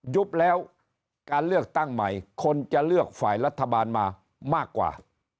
ยุบแล้วการเลือกตั้งใหม่คนจะเลือกฝ่ายรัฐบาลมามากกว่า